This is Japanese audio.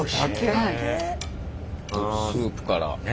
スープから。